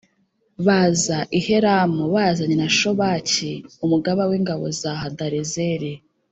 baza i Helamu bazanye na Shobaki umugaba w’ingabo za Hadarezeri